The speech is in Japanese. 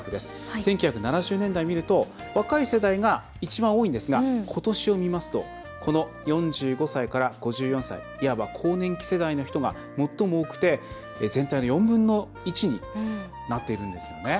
１９７０年代を見ると若い世代が一番多いんですがことしを見ますとこの４５歳から５４歳いわば更年期世代の人が最も多くて、全体の４分の１になっているんですよね。